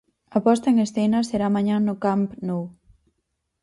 A posta en escena será mañá no Camp Nou.